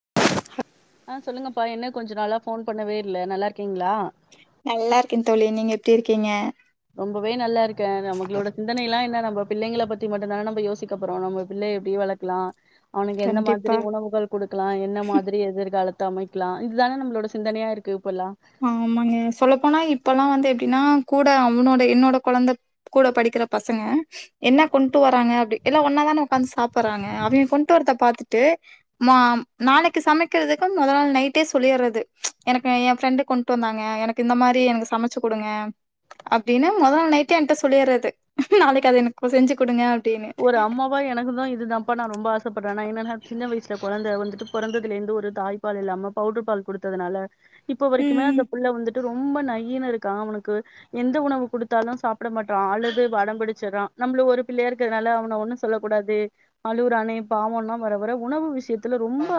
[inaudible] ஆ சொல்லுங்கப்பா என்ன கொஞ்ச நாளா போன் பண்ணவே இல்ல நல்லா இருக்கே நல்லா இருக்கே தோழி நீங்க எப்டி இருக்கீங்க ரொம்பவே நல்லாருக்கே நம்மளோட சிந்தனை எல்லா என்ன நம்ம பிள்ளங்கள பத்தி மட்டுதான நம்ம யோசிக்க போறோ நம்ம பிள்ளைய எப்டி வளக்கலா அவனுக்கு எந்த கண்டிப்பா. மாதிரி உணவுகள் குடுக்கலா என்ன மாதிரி எதிர்காலத்து அமைக்கலா இதுதான நம்மளோட சிந்தனையா இருக்கு இப்பல்லா ஆமாங்க சொல்லப்போனா இப்பல்லா வந்து எப்டின்னா கூட அவனோட என்னோட கொழந்த கூட படிக்கிற பசங்க என்னா கொண்டு வராங்க அப்டி எல்லா ஒன்னா தான ஒக்காந்து சாப்புற்றாங்க அவேகொண்டு வர்றத பாத்துட்டு மா நாளைக்கு சமைக்கிறதுக்கு மொத நாள் நைட்டே சொல்லிறது எனக்கு என் ஃப்ரெண்டு கொண்டு வந்தாங்க எனக்கு இந்த மாரி எனக்கு சமச்சு குடுங்க அப்டின்னு மொத நாள் நைட்டே என்ட சொல்லிறது நாளைக்கு அத எனக்கு செஞ்சு குடுங்க அப்டின்னு. ஒரு அம்மாவா எனக்குதா இதுதாப்பா நா ரொம்ப ஆசப்படுறே நா என்ன நா சின்ன வயசு இந்த கொழந்த வந்துட்டு பிறந்ததுல இருந்து ஒரு தாய்ப்பால் இல்லாம பவுடர் பால் குடுத்ததுனால இப்போ வரைக்குமே ம். அந்த புள்ள வந்து ரொம்ப நய்னு இருக்கா அவனுக்கு எந்த உணவு குடுத்தாலு சாப்ட மாட்றா அழுது வடம் பிடிச்சர்றா நம்பளு ஒரு பிள்ளாயருக் க்கிறதுனால அவன ஒன்னு சொல்லக் கூடாது அலுவுறானே பாவோன்னா வர வர உணவு விஷயத்ல ரொம்ப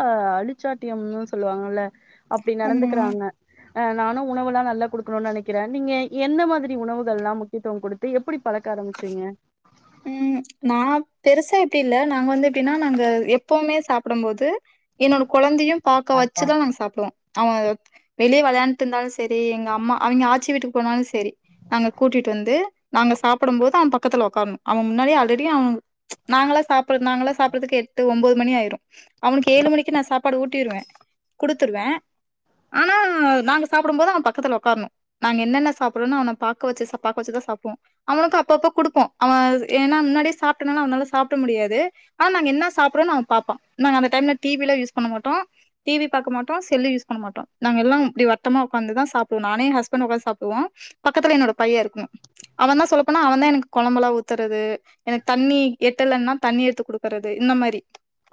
அழுச்சாட்டியம்னு சொல்லுவாங்கல்ல அப்டி ஆமா. நடந்துக்குறாங்க அ நானு உணவெல்லா நல்லா குடுக்கணுன்னு நெனக்குறே நீங்க என்ன மாதிரி உணவுகள்ளா முக்கியத்துவ கொடுத்து எப்டி பழக்க ஆரம்பிச்சீங்க ம் நா பெருசா இப்டி இல்ல நாங்க வந்து எப்டின்னா நாங்க எப்பவுமே சாப்டும் போது என்னோட கொழந்தையு பாக்க வச்சுதா நாங்க சாப்டுவோ அவ வெளிய விளயாண்ட்டு இருந்தாலு சரி எங்க அம்மா அவிங்க ஆச்சி வீட்டுக்கு போனாலு சரி நாங்க கூட்டிட்டு வந்து நாங்க சாப்டும் போது அவ பக்கத்ல ஒக்காரணு அவ முன்னாடி ஆல்ரெடி அவ ப்ச் நாங்களா சாப்பிடற நாங்கள சாப்பிட்றதுக்கு எட்டு ஒம்பது மணி ஆயிரு அவனுக்கு ஏழு மணிக்கு நா சாப்பாடு ஊட்டிறுவே குடுத்துருவே ஆனா நாங்க சாப்டும் போது அவபக்கத்ல ஒக்காரணு நாங்க என்னென்ன சாப்ட்றோன்னு அவன பாக்க வச்சு பாக்க வச்சுதா சாப்டுவோ அவனுக்கு அப்பப்ப குடுப்போ அவ ஏன்னா முன்னாடியே சாப்பிட்டனால அவனால சாப்ட முடியாது ஆனா நாங்க என்னா சாப்றோன்னு அவ பாப்பா நாங்க அந்த டைம்ல டிவில்லா யூஸ் பண்ண மாட்டோ டிவி பாக்க மாட்டோ செல்லு யூஸ் பண்ண மாட்டோ நாங்க எல்லா இப்டி வட்டமா ஒக்காந்துதா சாப்டுவோ நானு எ ஹஸ்பெண்டு ஒக்காந்து சாப்டுவோ பக்கத்துல என்னோட பைய இருக்கனு அவன் தா சொல்லப்போனா அவன்தா எனக்குக் கொழம்பல்லா ஊத்தறது எனக்கு தண்ணி எட்டலன்னா தண்ணி எடுத்து குடுக்குறது இந்த மாரி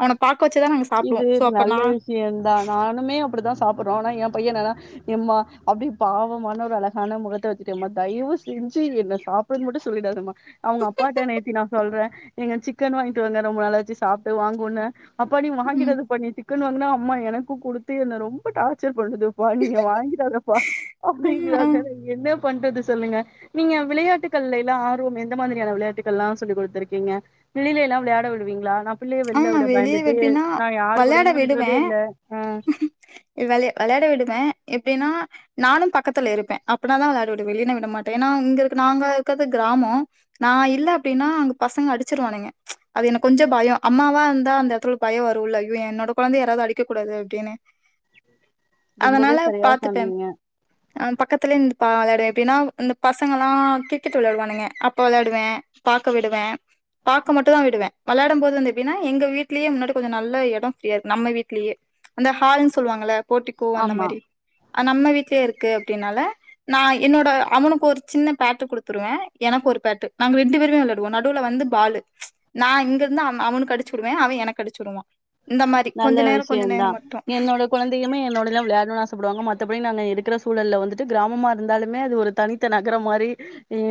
அவன பாக்க வச்சுதா நாங்க சாப்டுவோ இது சோ அப்ப நல்ல நா விஷயந்தா நானுமே அப்டித்தா சாப்டுறோ ஆனா என் பைய நல்லா எம்மா அப்டி பாவமான ஒரு அழகான முகத்த வெச்சுட்டு எம்மா தயிவு செஞ்சு என்ன சாப்புடுன் மட்டு சொல்லிடாதம்மா அவங்க அப்பாட்ட நேத்தி நா சொல்ற நீங்க சிக்கன் வாங்கிட்டு வாங்க ரொம்ப நாளாச்சு சாப்ட்டு வாங் பொண்ண அப்பா நீ ம் வாங்கிடாத பண்ணிட்டு சிக்கனு வாங்குனா அம்மா எனக்கு குடுத்து என்ன ரொம்ப டார்ச்சர் பண்ணுதுப்பா நீங்க வாங்கிறாதப்பா ம், அப்டிங்கறாங்க ம். என்னப் பண்றது சொல்லுங்க நீங்க விளையாட்டுக்கள் எல்லா ஆர்வம் எந்த மாதிரியான விளையாட்டுக்கள்லா சொல்லி குடுத்துருக்கீங்க வெளில எல்லா விளையாட விடுவீங்களா நா பிள்ளைய வெளில ஆம்மா விட வெளிய பயந்துட்டு வெப்பின்னா நா யாரு வெளையாட கூடயுமே விடுவ விடுறதே இல்ல ஆ வெளய வெளையாட விடுவ எப்டின்னா நானும் பக்கத்துல இருப்ப அப்புன்னாதா வெளையாட விடுவ இல்லீன்னா விட மாட்ட ஏன்னா இங்க இருக்குற நாங்க இக்குறது கிராமோ நா இல்ல அப்டின்னா அங்க பசங்க அடுச்சுருவானுங்க அது எனக்கு கொஞ்சோ பயோ அம்மாவா இருந்தா அந்த ஒடத்துல ஒரு பயோ வரு இல்ல அய்யோ என்னோட கொழந்தைய யாராவது அடிக்கக்கூடாது அப்டின்னு ரொம்பவே அதனால சரியா பாத்துப்பேம் சொன்னீங்க அ பக்கத்துலயே நின்டு பா வெளையாடுவே எப்டின்னா இந்த பசங்கெல்லா கிரிக்கெட் வெளையாடுவானுங்க அப்ப வெளையாடுவ பாக்க விடுவ பாக்க மட்டுதா விடுவ வெளையாடும் போது வந்து எப்டின்னா எங்க வீட்லயே முன்னாடி கொஞ்சோ நல்லா எடோ ஃபீரியா இருக் நம்ம வீட்லயே அந்த ஹால்ன் சொல்வாங்கள்ள போர்ட்டிக்கோ அந்த ஆமா மாரி நம்ம வீட்லயே இருக்கு அப்டின்னால நா என்னோட அவனுக்கு ஒரு சின்ன பேட்டு குடுத்துருவ எனக்கு ஒரு பேட்டு நாங்க ரெண்டு பேருமே வெளையாடுவோ நடுவுல வந்து பாலு நா இங்கிருந்து அவனுக் கடுச்சுடுவ அவ எனக்கடுச்சுடுவா நல்ல விஷ்யந்தா என்னோட கொழந்தையுமே என்னோடதா வெளையாடனுன் ஆசப்படுவாங்க மத் மத்தபடி நாங்க இருக்குற சூழல்ல வந்துட்டு கிராமமா இருந்தாலுமே அது ஒரு தனித்த நகரம் மாரி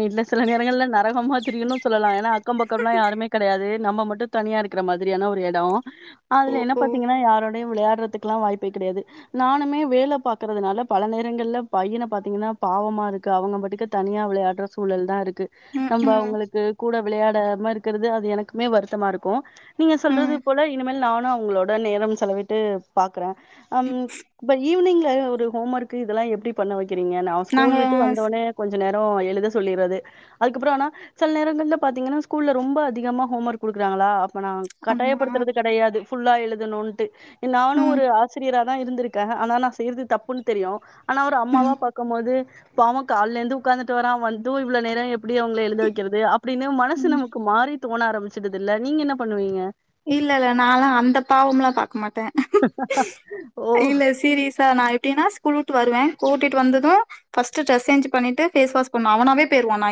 இன்னு சில நேரங்கல்ல நரகமாதிரின்னு சொல்லலா ஏன்னா அத் அக்கம்பக்கோம்லா யாருமே கெடையாது நம்ம மட்டு தனியா இருக்குற மாதிரியான ஒரு எடோ ஓ அதுல என்ன ஓ பாத்தீங்கன்னா யாரோடையு விளையாட் த்துக்கெல்லா வாய்ப்பே கெடையாது நானுமே வேல பாக்கறதுனால பல நேரங்கள்ல பையன பாத்தீங்கன்னா பாவமாருக்கு அவங்க பாட்டுக்கு தனியா வெளையாட்ற சூழல் தா இருக் கு ம் நம்ப ம் அவுங்களுக்கு கூட விளையாடமா இருக்கறது அது எனக்குமே வருத்தமா இருக்கு நீங்க சொல்றது ம் இப்போல இனமேல் நான் நா உங்களோட நேரம் செலவிட்டு பாக் க்கற அம் பை இ ஈவினிங்ல லயே ஒரு ஹோம்மர்க்கு இதெல்லா எப்டி பண்ண வைக் க்குறீங்க நா நாங்க ஸ்கூல் விட்டு வந்தவொன்னே கொஞ் கொஞ்ச நேரோ எழுத சொல்லிறது அதுக்கப்புறோ ஆனா சில நேரங்கல்ல பாத்தீங்கன்னா ஸ்கூல்ல ரொம்ப அதிகமா ஹோம்மர்க் குடுக்குறாங்களா அப்பனா ஆமா கட்டாயப்படுத்துறது கெடையாது ஃபுல்லா எழுதணுன்ட்டு நானு ம் ஒரு ஆசிரியரா நா இருந்திருக்கே ஆனா நா செய்யுறது தப்புன்னு தெரியு ஆனா ஒரு அம்மாவா ம் பாக்கும் போது பாவோ கால்ல இருந்து உக்காந்துட்டு வாரா வந்தூ இவ்ள நேரே எப் எப்டி அவுங்ள எழுத வக்குறது அப்டின்னு மனசு ம் நமக்கு மாறி தோண ஆரம்பிச்சுடுதுல்ல நீங்க என்ன பண்ணுவீங்க இல்ல இல்ல நானல்லா அந்த பாவம் எலா பாக்க க்க மாட்டே ஓ இல்ல சீரீயஸா நா அப்டி நா ஸ்கூல் விட்டு வருவே கூட்டிட்டு வந்தது ஃபஸ்ட்டு ட்ரேஸ் சேஞ்சு பண்ணிட்டு பேஸ்வாஷ் பண்ணுவா அவனவே போயிறுவா நா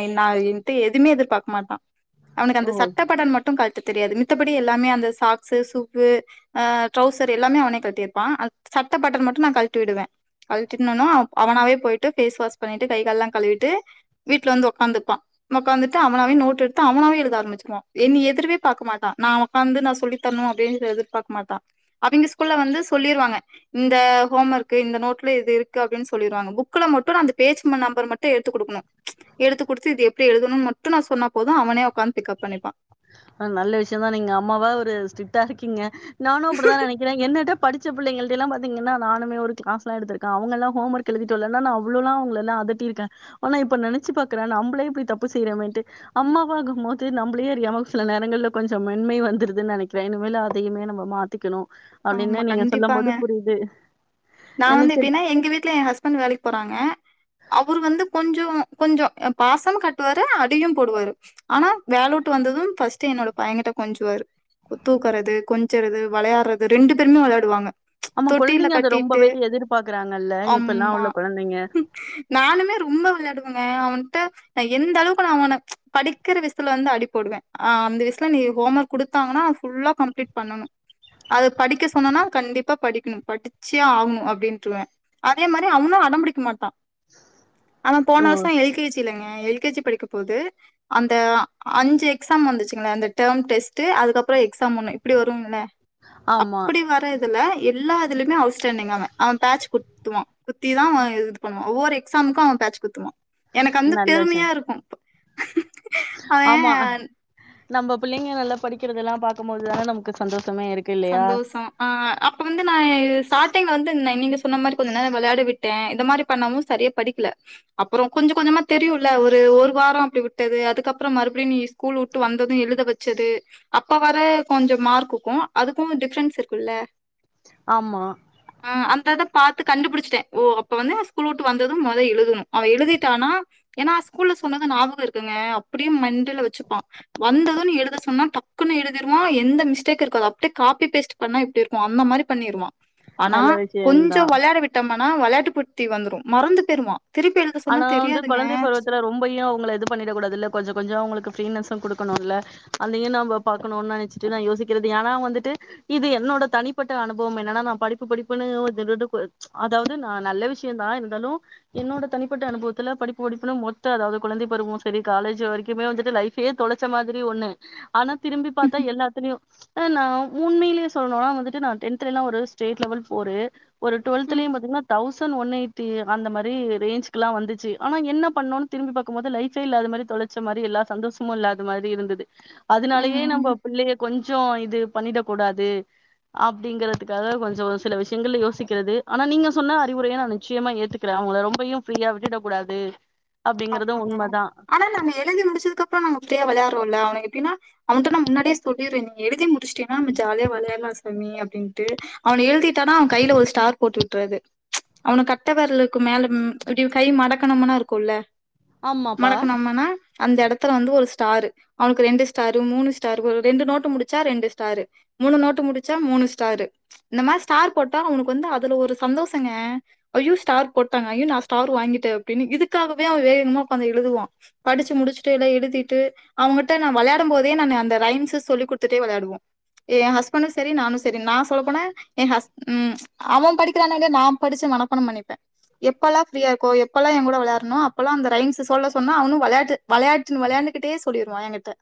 ஏன்ட்ட ஏதுவுமே எதிர்பாக்கமாட்டா அவனுக்கு ஓ அந்த சட்ட பட்டன் மட்டு கலட்டி தெரியாது மித்தப்படி எல்லாமே அந்த சாக்ஸ்சு சுவ்வு ஆ ட்ரௌசர் எல்லாமே அவனே கழட்டியிருப்பா சட்ட பட்டன் மட்டு நா கழட்டி விடுவே கழட்டிணனோ அவனாவே போயிட்டு பேஸ் வாஷ் பண்ணிட்டு கை எல்லா கழுவிட்டு வீட்ல வந்து ஒக்காந்துப்பா ஒக்காந்துட்டு அவனாவே நோட்டு எடுத்து அவனாவே எழுத ஆரம்பிச்சிருவா என்னய எதிரே பாக்க மாட்டா நா ஒக்காந்து நா சொல்லி தரணு அப்டின்னு எதிர்பாக்க மாட்டா அவிங்க ஸ்கூல்ல வந்து சொல்லிருவாங்க இந்த ஹோம் ஒர்க்கு இந்த நோட்ல இது இருக்கு அப்டின்னு சொல்லிருவாங்க புக்ல மட்டு நா அந்த பேஜ் நம்பர் மட்டு எடுத்து குடுக்கணு ம்ச எடுத்து குடுத்து இது எப்டி எழுதணும்னு மட்டு நா சொன்னா போது அவனே ஓக்காந்து பிக்கப்பண்ணிப்பா நெஜமா நீங்க அம்மாவா ஒரு ஸ்ட்ரிக்டா இருக்கீங்க நானு அப்டித நெனக்குறே என்னதுப் படிச்ச பிள்ளைங்களிட்ட எல்லா பாத்தீங்கனா நானுமே ஒரு கிளாஸ் எல்லா எடுத்திருக்கே அவங்கல்லா ஹோம் ஒர்க் எழுதிட்டுவர்லனா அவ்வோளல்லா அவுங்கள எல்லா அதட்டிருக்கே ஆனா இப்ப நெனச்சு பாக்கறே நம்பளே இப்டி தப்பு செய்யறோமேன்ட்டு அம்மாவாகும் போது வந்து நம்பளே அறியாம சில நேரங்கல்ல கொஞ்சோ மென்மை வந்துருதுன்னு நெனக்குறே இனிமேல் அதயுமே நம்ம மாத்திக்கணு ஆமா கண்டிப்பாங்க நா என்ன வந்து சரி எப்டின்னா எங்க வீட்ல எ ஹஸ்பண்ட் வேலைக்கு போறாங்க அவர் வந்து கொஞ்சோ கொஞ்சோ பாசமு காட்டுவாரு அடியு போடுவாரு ஆனா வேலவிட்டு வந்தது ஃபஸ்டு என்னோட பையன்கிட்ட கொஞ்சுவாரு தூக்குறது கொஞ்சுறது வெளயாடுறது ரெண்டு பேருமே வெளயாடுவாங்க ஆமா தொட்டில குழந்தைங்க அத கட்டிட்டு ரொம்பவே எதிர்பார்க்கறாங்கல்ல. இப்பலாம் அம்மா உள்ள குழந்தைங்க. நானுமே ரொம்ப வெளயாடு அவ அவன்கிட்ட எந்த அளவுக்கு நா அவன படிக்கிற விசயத்ல வந்து அடி போடுவே ஆ அந்த விசயத்ல நீ கோம்வொர்க் குடுத்தாங்னா ஃபுல்லா கம்ளிட் பண்ணனு அத படிக்க சொன்னனா கண்டிப்பா படிக்கணு படிச்சே ஆகணு அப்டின்னுருவே அதே மாரி அவனு அடம்பிடிக்க மாட்டா அவ ஓ! போன வருஷோ எல் கே ஜி இல்லங்க எல் கே ஜி படிக்கும் போது அந்த அஞ்சு எக்ஸாம் வந்துச்சுங்கள அந்த டேம் டெஸ்ட்டு அதுக்கப்றோ எக்ஸாம் ஒன்னு இப்டி வரும்ள ஆமா. அப்டி வர இதுல எல்லா இதுலயுமே அவுட்ஸ்டாண்டிங் அவே அவே பேட்ச் குத்துவா குத்திதா அவே இது பண்ணுவா ஒவ்வொரு எக்ஸாமுக்கு அவே பேட்ச் குத்துவா எனக்கு வந்து நல்ல பெருமையா விஷயம். இருக்கு அவ ஆமா நம்ம பிள்ளைங்க நல்லா படிக்கிறதெல்லா பாக்கும்போது தான நமக்கு சந்தோஷம் சந்தோஷோ ஆ அப்ப வந்து நா எ ஸ்டார்ட் டிங் வந்து ந நீங்க சொன்ன மாரி கொஞ்சோ நேரோ விளையாட விட்டே இந்த மாரி பண்ணவு சரியா படிக்கல அப்புறோ கொஞ்ச கொஞ்சமா தெரியுல்ல ஒரு ஒரு வாரோ அப்பிடி விட்டது அதுக்கப்புறம் மறுபடியு நீ ஸ்கூல்வுட்டு வந்தது எழுத வச்சது அப்ப வர கொஞ்சோ மார்க்குக்கு அதுக்கு டிப்ரென்ஸ் இருக்கும்ல ஆமா த்தது பாத்து கண்டுபுடிச்சிட்டே ஓ அப்ப வந்தது ஓ ஸ்கூல்வுட்டு வந்தது மொத எழுதனு அவ எழுதிட்டானா ஏன்னா ஸ்கூல்ல சொன்னது ஞாபகோ இருக்குங்க அப்பிடியும் மண்டல வச்சுப்பா வந்தது நீ எழுத சொன்னா டக்குன்னு எழுதிடுவா எந்த மிஸ்டேக்கு இருக்காது அப்டே காப்பி பேஸ்ட் பண்ணா எப்பிடி இருக்கு அந்த மாரி பண்ணிருவா ஆனா நல்ல விஷயந்தா கொஞ்சோ விளையாட விட்டோம்னா விளையாட்டு புத்தி வந்துரு மறந்து பெய்ருவா ஆனா வந்து குழந்தை பருவத்துல ரொம்பையு அவுங்கள இது பண்ணிட கூடாதுல்ல கொஞ்சோ கொஞ்சோ அவுங்களுக்கு ப்ரீனஸசு கொடுக்கணுல்ல அந்தியு நாம பாக்கணுன்னு நெனச்சுட்டு நா யோசிக்கிறது ஏன்னா வந்துட்டு இது என்னோட தனிப்பட்ட அனுபவோ என்னன்னா நா படிப்பு படிப்புன்னு இந்த நெணடுப்பு அதாவது நா நல்ல விஷ்யோதா இருந்தாலு என்னோட தனிப்பட்ட அனுபவத்துல படிப்பு படிப்புன்னு மொத்த அதாவது குழந்தை பருவோ சரி காலேஜ் வரைக்குமே வந்துட்டு லைபே தொலைச்ச மாதிரி ஒண்ணு ஆனா திரும்பி பாத்தா எல்லாத்திலியு நா உண்மையிலே சொல்லணுன்னா வந்துட்டு நா டென்தல ஒரு ஸ்டேட் லெவல் போரு ஒரு டுவெல்த்ல ம். பாத்தீங்கனா தௌசண்ட் ஒன் எயிட்டி அந்த மாரி ரேஞ்சுக்கெல்லா வந்துச்சு ஆனா என்ன பாண்ணோன் திரும்பி பாக்கு போது லைபே இல்லாத மாரி தொலைச்ச மாரி எல்லா சந்தோசமு இல்லாத மாரி இருந்தது அதனாலேயே ம். நம்ம பிள்ளை கொஞ்சோ இது பண்ணிடக் கூடாது அப்பிடிங்கறதுக்காக கொஞ்சோ சில விஷயங்கள் யோசிக்கிறது ஆனா நீங்க சொன்ன அறிவுரையை நா நிச்சயமா ஏத்துக் க்கர அவுங்கள ரொம்பையு ப்ரீயா விட்டுடக் கூடாது அப்டிங்கறது ஆமாங்க உண்மதா ஆனா நாம எழுதி முடிச்சது அப்புறோ நாங்க ப்ரீயா விளையாடுறோல்ல எப்பிடினா அவன்ட நா முன்னாடியே சொல்லிருவே நீ எழுதி முடிச்சிடினா நம ஜாலியா விளையாலா சாமி அப்பிடின்ட்டு அவன எழுதி ட்டனா அவ கையில ஒரு ஸ்டார் போட்டுவிட் ட்றது அவன கட்டவரலளுக்கு மேல இப்பிடி கை மடக்கணும்னா இருக்கும்ல ஆமாப்பா மடக்கணம்மனா அந்த இடத்துல வந்து ஒரு ஸ்டாரு அவனுக்கு ரெண்டு ஸ்டாரு மூணு ஸ்டாரு ரெண்டு நோட்டு முடிச்சா ரெண்டு ஸ்டாரு மூணு நோட்டு முடிச்சா மூணு ஸ்டாரு இந்த மாரி ஸ்டார் போட்டா அவனுக்கு வந்து அதுல ஒரு சந்தோஷங்க ஐயோ ஸ்டார் போட்டாங்க ஐயோ நா ஸ்டார் வாங்கிட்டே அப்பிடின்னு இதுக்காக இப்பயு அவே வேகமாக உட்கார்ந்து எழுதுவா படிச்சி முடிச்சிட்டு எல்லா எழுதிட்டு அவங்கிட்ட நா விளையாடு போதே அந்த ரைம்ஸ் சொல்லி குடுத்துட்டே விளையாடுவோ ஏ ஹஸ்பண்டு சரி நானு சரி நா சொல்ல போன அவன் படிக்கிறானோ இல்லையோ நா படிச்சி மனப்பாடோ பண்ணிப்பே எப்பல்லா ப்ரீயா இருக்கோ? எப்ப எல்லா ஏ கூட விளையாட்றானோ ப்பல்லா அந்த ரைம்ஸா சொல்ல சொன்னா அவுனு விளையாட்டு விளையாட்டுன்னு விளையாண்டுக்கிட்டே சொல்லிடுவா என்கிட்ட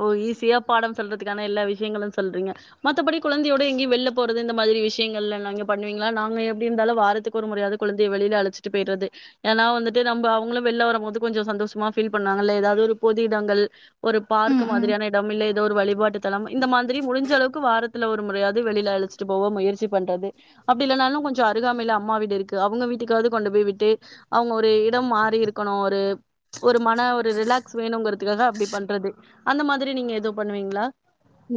ஓ ஈஸியா பாடம் சொல்றதுக்கான எல்லா விஷயங்களு சொல்றீங்க மத்தபடி குழந்தையோட எங்கயு வெளில போறது இந்த மாதிரி விஷயங்கள்லங்க பண்ணுவீங்களா நாங்க எப்பிடி இருந்தாலு வாரத்துக்கு ஒரு முறையாவது குழந்தைய வெளியில அழைச்சிட்டு போய்டறது ஏன்னா வந்துட்டு நம்ம அவங்களு வெள்ல வரு போது கொஞ்சோ சந்தோஷமா ஃபீல் பண்ணாங்கல்ல ஏதாவது ஒரு பொது இடங்கள் ஒரு பார்க் ம் ம் மாதிரியான இடம் இல்லை ஏதோ ஒரு வழிபாட்டு தலம் இந்த மாதிரி முடிஞ்ச அளவுக் வாரத் த்ல ஒரு முறையாவது வெளியில அழிச்சிட்டு போவோ முயற்சி பண்றது அப்பிடி இல்லனாலு கொஞ்ச அருகாமையில அம்மா வீடு இருக்கு அவுங்க வீட்டுக்காவது கொண்டு போய் விட்டு அவுங்க ஒரு இதம் மாறி இருக்கணு ஒரு ஒரு மன ஒரு ரிலாக்ஸ் வேணுங்கற்துக்காக அப்பிடி பண் ட்ரது அந்த மாதிரி நீங்க ஏது பண்ணுவீங்ளா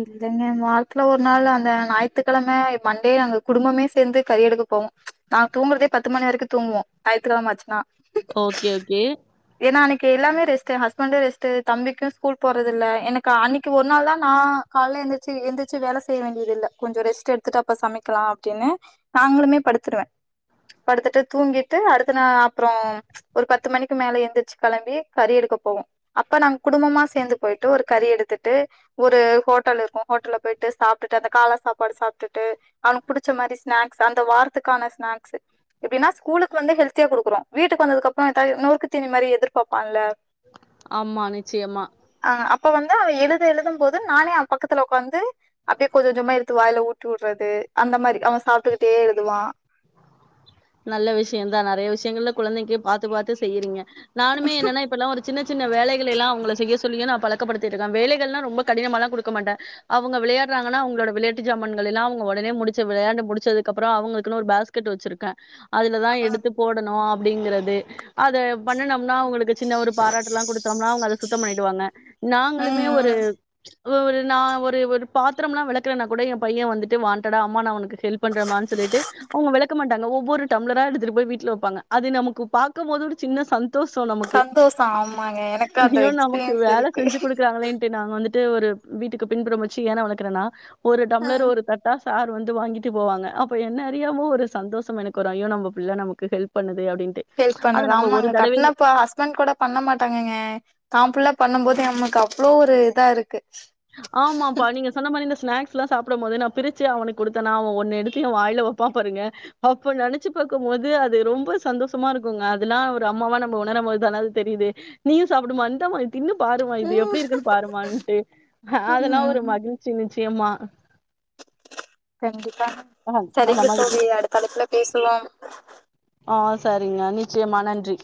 இல்லங்க வாரத்துல ஒரு நாள் அந்த ஞாயித்துக்கெழம மண்டே நாங்க குடும்பமே சேர்ந்து கறிஎடுக்க போவோ நா தூங்குறதே பத்து மணி வெரிக்கு தூங்குவோ ஞாயித்துக்கெழம ஆச்சுன்னா ஓகே ஓகே கே எல்லாமே ரெஸ்டு எ ஹஸ்பெண்ட் ரெஸ்டு தம்பிக்கு ஸ்கூல் போறதுல்ல எனக்கு அன்னிக்கு ஒரு நாள் தா நா கால எந்திரிச்சு எந்திரிச்சு வேல செய்ய வேண்டியது இல்ல கொஞ்ச ரெஸ்ட் எடுத்துட்டு அப்ப சமைக்கலா அப்டின்னு நாங்கலுமே படுத்துடுவே படுத்துட்டு தூங்கிட்டு அடுத்து நா அப்றோ ஒரு பத்து மணிக்கு மேல எந்திர்ச்சு களம்பி கறி எடுக்க போவோ அப்ப நாங்க குடும்பமா சேர்ந்து போய்ட்டு ஒரு கறி எடுத்துட்டு ஒரு ஹோட்டல் இருக்கு ஹோட்டல்ல போய்ட்டு சாப்டுட்டு அந்த காளா சாப்பாடு சாப்டுட்டு அவனுக்கு புடிச்சமாரி ஸ்நேக்ஸ் அந்த வாரத்துக்கானஸ்நேக்ஸ் எப்டினா ஸ்கூலுக்கு வந்து ஹெல்தியா குடுக்குறோ வீட்டுக்கு வந்தது கப்றோ ஏதாது நொறுக்கு தீனி மாரி எதிர்பாப்பான்ல ஆமா நிச்சயமா இப்ப வந்து அவெ எழுத எழுதும் போது நானே அவ பக்கத்துல உக்காந்து அப்டியே கொஞ்ச கொஞ்சமா எடுத்து வாய்ல ஊட்டி வுட்றது அந்த மாரி அவ சாப்டுகிட்டே எழுதுவா நல்ல விஷய தா நறயா விஷ்யங்கள்ல குழந்தைக்கு பாத்து பாத்து செய்யுறீங்க நானுமே என்னனா இப்பெல்லா ஒரு சின்ன சின்ன வேலைகளலா அவுங்கள செய்ய சொல்லி ஏனா பல [unintelligible] வேலைகள்ளாம் ரொம்ப கடினமாலா குடுக்க மாட்டே அவுங்க விளையாட்றாங்கனா அவுங்கலோட விளையாட்டு ஜமாண்களெள்ளா அவங்க உடனே முடிச்ச விளயான்டு முடிச்சதுக்கப்றோ அவங்களுக்குனு ஓரு பேஸ்கெட் வெச்சிருக்கே அதுல தா எடுத்து போடணு அப்டிங்கறது அத பண்ணுனம் நா அவுங்களுக்கு சின்ன ஒரு பாராட்டு லா குடுத்தோம்னா அவுங்க அத சுத்தம் பண்ணிடுவாங்க ம் நாங்களுமே ஒரு ம் ஒரு நா ஒரு ஒரு பாத்ரோம்னா வெளக்கறனா கூட எ பையெ வந்துட்டு வான்டடா அம்மா நா உனுக்கு ஹெல்ப் பண்ற மானு சொல்லிட்டு அவுங்க வெளக்க மாட்டாங்க ஓ ஒவ்வொரு டம்ளரா எடுத்துட்டு போய் வீட்ல வெப்பாங்க அது நமக்கு பாக்கு போது ஒரு சின்ன சந் தோசோ நமக்கு சந்தோஷோ ஆமாங்க எனக்கு அந்த ஐயோ நமக்கு எக்ஸ்பீரியன்ஸ் வேல இருக்கு செஞ்சு குடுக்குறாங்களேன்டு நாங்க வந்து ட்டு ஒரு வீட்டுக்கு பின்புறம் வெச்சு யாண வளக்குறனா ஒரு டம்ளரு ஒரு தட்டா சார் வந்து வாங்கிட்டு போவாங்க அப்போ என்ன அறியாம ஒரு சந்தோஷம் எனக்கு குரோம் ஐயோ நம்ம பிள்ள நமக்கு ஹல்ப் பண்ணுதே அப் ஹெல்ப் பண்ணுது ஆமாங்க கட்னப்ப ஹஸ்பெண்ட் கூட பண்ண மாட்டாங்கங்க தாபுள்ள பண்ணும் போது நமக்கு அவ்ளோ ஒரு இதாருக்கு ஆமாபா நீங்க சொன்ன மாரி இந்த ஸ்நேக்ஸ் சுலா சாப்டும் போது நா பிரிச்சு அவனுக்கு குடுத்தனா அவ ஒன்ன எடுத்து எ வாய்ல வெப்பா பாருங்க அப்ப நெனச்சு பாக்கும் போது அது ரொம்ப சந்தோஷமா இருக்கும்ங்க அதெல்லாம் ஒரு அம்மாவா நம்ம உணரும் போது தான அது தெரியுது நீயும் சாப்டு மா இந்த மா இன்னு பாருமா இது ம் எப்டி இருக்குன்னு பாருமான்ட்டு அதெல்லா ஒரு மகிழ்ச்சிங்க நிச்சயமா தங்கி [unintelligible] அஹ அந்த சரிங்க மாதிரி. தோலி அடுத்தஅலைப்புல பேசுவோம் ஆ சரிங்க நிச்சயமா நன்றி